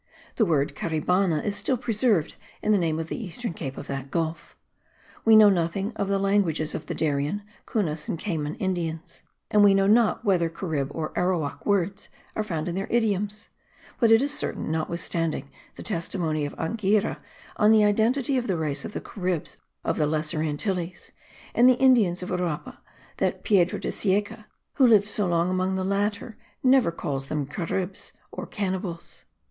The word Caribana is still preserved in the name of the eastern cape of that gulf. We know nothing of the languages of the Darien, Cunas and Cayman Indians: and we know not whether Carib or Arowak words are found in their idioms; but it is certain, notwithstanding the testimony of Anghiera on the identity of the race of the Caribs of the Lesser Antilles and the Indians of Uraba, that Pedro de Cieca, who lived so long among the latter, never calls them Caribs nor cannibals.